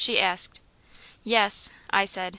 she asked. "Yes," I said.